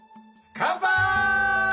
乾杯！